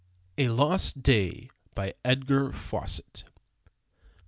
A LOST DAY. BY EDGAR FAWCETT.